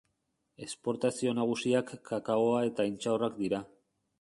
Esportazio nagusiak kakaoa eta intxaurrak dira.